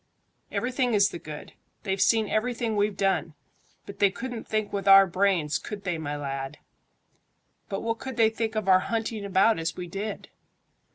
"Everything is the good. They've seen everything we've done, but they couldn't think with our brains, could they, my lad?" "But what could they think of our hunting about as we did?"